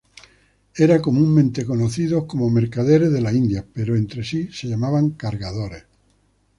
Eran comúnmente conocidos como mercaderes de las Indias, pero entre sí se llamaban cargadores.